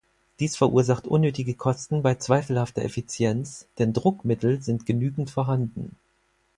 Dies verursacht unnötige Kosten bei zweifelhafter Effizienz, denn Druckmittel sind genügend vorhanden.